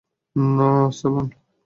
না, আর্সলান।